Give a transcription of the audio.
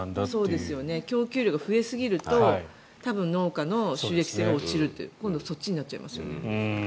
あんまり供給量が増えすぎると多分農家の収益性が落ちるという今度そっちになっちゃいますよね。